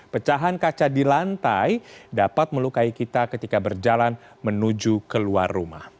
pecahan kaca di lantai dapat melukai kita ketika berjalan menuju keluar rumah